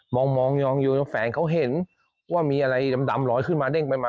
มองยองอยู่แฟนเขาเห็นว่ามีอะไรดำลอยขึ้นมาเด้งไปมา